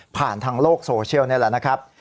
ทางโลกโซเชียลนี่แหละนะครับ